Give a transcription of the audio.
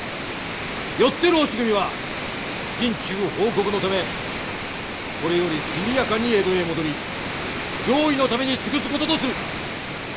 よって浪士組は尽忠報国のためこれより速やかに江戸へ戻り攘夷のために尽くす事とする。